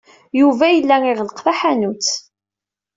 Yuba yella iɣelleq taḥanut.